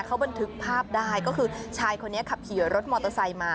เขาบันทึกภาพได้ก็คือชายคนนี้ขับขี่รถมอเตอร์ไซค์มา